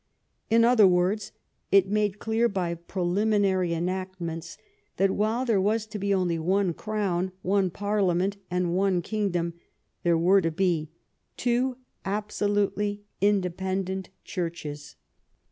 In other words, it was made clear by preliminary enactments that while there was to be only one crown, one Parliament, and one kingdom, there were to be two absolutely independent Churches.